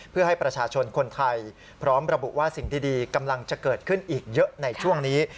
เพื่อให้ประชาชนคนไทยพร้อมระบุว่าสิ่งดีกำลังจะเกิดขึ้นอีกเยอะในช่วงนี้